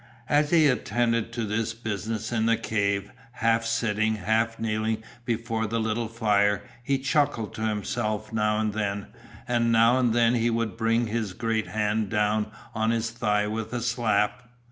As he attended to this business in the cave, half sitting, half kneeling before the little fire, he chuckled to himself now and then, and now and then he would bring his great hand down on his thigh with a slap.